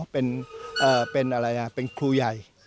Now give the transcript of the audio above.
เป็นครูใหญ่